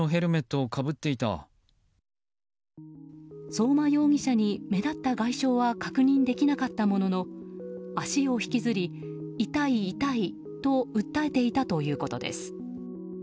相馬容疑者に目立った外傷は確認できなかったものの足を引きずり、痛い痛いと訴えていたということです。